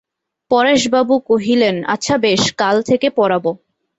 পরেশবাবু কহিলেন, আচ্ছা বেশ, কাল থেকে পড়াব।